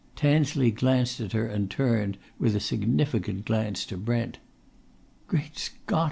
Tansley glanced at her and turned, with a significant glance, to Brent. "Great Scott!"